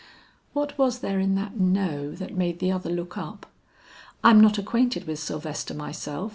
What was there in that no that made the other look up? "I'm not acquainted with Sylvester myself.